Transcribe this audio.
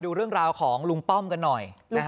ดูเรื่องราวของลุงป้อมกันหน่อย